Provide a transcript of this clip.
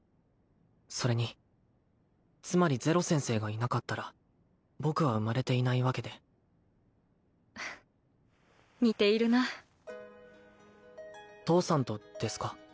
それにつまりゼロ先生がいなかったら僕は生まれていないわけで似ているな父さんとですか？